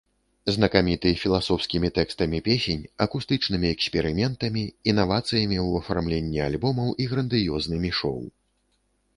Знакаміты філасофскімі тэкстамі песень, акустычнымі эксперыментамі, інавацыямі ў афармленні альбомаў і грандыёзнымі шоу.